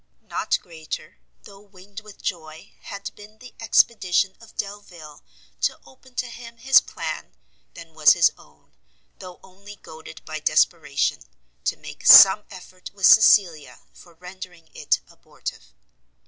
Not greater, though winged with joy, had been the expedition of Delvile to open to him his plan, than was his own, though only goaded by desperation, to make some effort with Cecilia for rendering it abortive.